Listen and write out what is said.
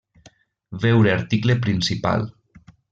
Veure article principal: